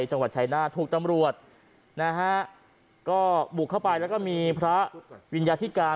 จังหวัดชายนาฏถูกตำรวจนะฮะก็บุกเข้าไปแล้วก็มีพระวิญญาธิการ